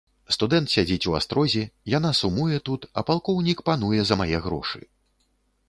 Студэнт сядзіць у астрозе, яна сумуе тут, а палкоўнік пануе за мае грошы.